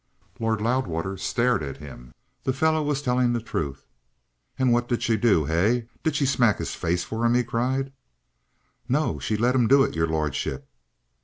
Lord Loudwater stared at him. The fellow was telling the truth. "And what did she do? Hey? Did she smack his face for him?" he cried. "No. She let 'im do it, your lordship."